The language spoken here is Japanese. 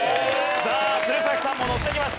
さあ鶴崎さんもノッてきました。